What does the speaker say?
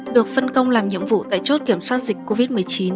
được phân công làm nhiệm vụ tại chốt kiểm soát dịch covid một mươi chín